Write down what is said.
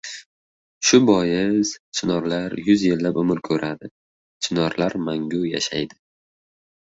Shu bois, chinorlar yuz yillab umr ko‘radi, chinorlar mangu yashaydi.